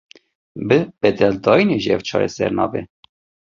Bi bedeldayînê jî ev çareser nabe.